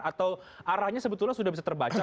atau arahnya sebetulnya sudah bisa terbaca